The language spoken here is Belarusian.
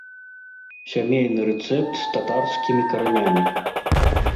Сямейны рэцэпт з татарскімі каранямі.